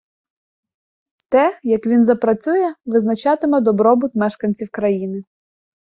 Те, як він запрацює, визначатиме добробут мешканців країни